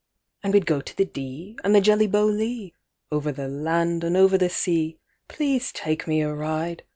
And we'd go to the Dee, and the Jelly Bo Lee, Over the land, and over the sea; Please take me a ride!